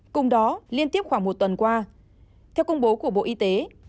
cùng đó liên tiếp khoảng một tuần qua theo công bố của bộ y tế